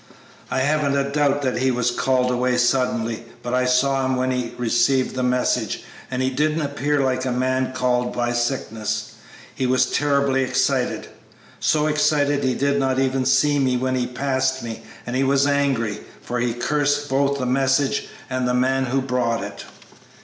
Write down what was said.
"I haven't a doubt that he was called away suddenly, but I saw him when he received the message, and he didn't appear like a man called by sickness. He was terribly excited, so excited he did not even see me when he passed me; and he was angry, for he cursed both the message and the man who brought it."